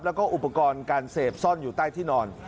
แล้วก็อุปกรณ์การเสพซ่อนอยู่ใต้ที่นอน